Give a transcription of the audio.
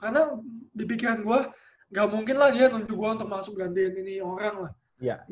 karena di pikiran gue gak mungkin lah dia nunjuk gue untuk langsung gantiin ini orang lah